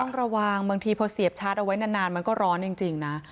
ต้องระวังบางทีพอเสียบชาร์จเอาไว้นานมันก็ร้อนจริงนะ